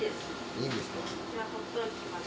いいんですか？